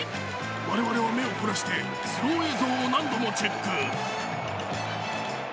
我々は目を凝らしてスロー映像を何度もチェック。